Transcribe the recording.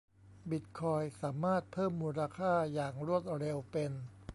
บิตคอยน์สามารถเพิ่มมูลค่าอย่างรวดเร็วเป็น